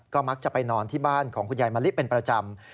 ก็มักจะไปนอนที่บ้านของคุณยายมะลิเป็นประจำ